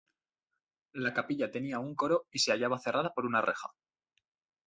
La capilla tenía un coro y se hallaba cerrada por una reja.